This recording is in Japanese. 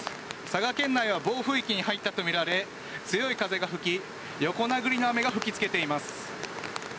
佐賀県内は暴風域に入ったとみられ強い風が吹き横殴りの雨が吹きつけています。